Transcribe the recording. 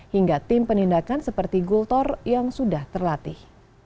hingga tim penindakan seperti gultor yang sudah terlatih